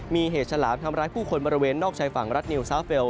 มีเหตุฉลามทำร้ายผู้คนบริเวณนอกชายฝั่งรัฐนิวซาเฟลล